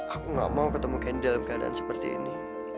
aku nggak mau ketemu candy dalam keadaan seperti ini